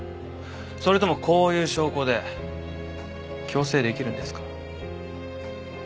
それともこういう証拠で強制出来るんですか？